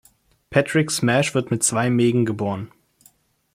Patrick Smash wird mit zwei Mägen geboren.